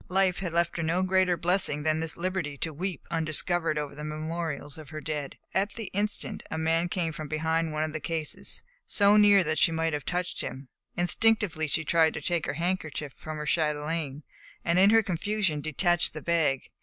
Life had left her no greater blessing than this liberty to weep undiscovered over the memorials of her dead. At the instant a man came from behind one of the cases, so near that she might have touched him. Instinctively she tried to take her handkerchief from her chatelaine, and in her confusion detached the bag.